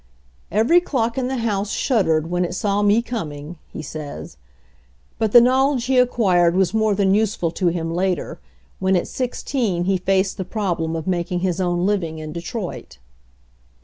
"Every clock in the house shuddered when it saw me coming/' he says. But the knowledge he acquired was more than useful to him later, when at sixteen he faced the problem of making his own living in Detroit.